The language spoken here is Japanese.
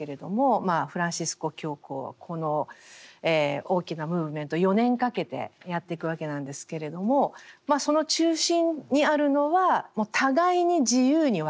フランシスコ教皇はこの大きなムーブメントを４年かけてやっていくわけなんですけれどもその中心にあるのはもう互いに自由に分かち合うと。